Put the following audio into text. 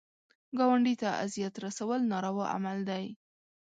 ګاونډي ته اذیت رسول ناروا عمل دی